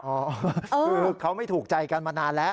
คือเขาไม่ถูกใจกันมานานแล้ว